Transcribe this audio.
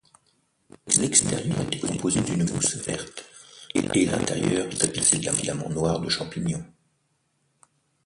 L’extérieur était composé d’une mousse verte et l’intérieur tapissé de filaments noirs de champignon.